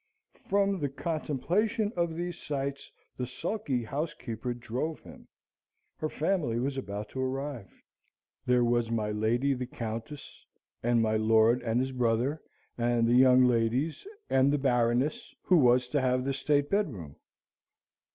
From the contemplation of these sights the sulky housekeeper drove him. Her family was about to arrive. There was my lady the Countess, and my lord and his brother, and the young ladies, and the Baroness, who was to have the state bedroom.